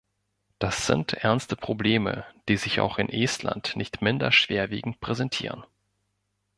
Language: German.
Das sind ernste Probleme, die sich auch in Estland nicht minder schwerwiegend präsentieren.